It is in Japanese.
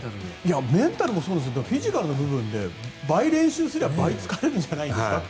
メンタルもそうですけどフィジカルの部分で倍練習したら倍疲れるんじゃないかと。